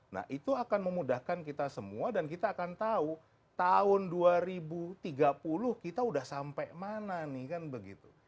nah itu akan memudahkan kita semua dan kita akan tahu tahun dua ribu tiga puluh kita udah sampai mana nih kan begitu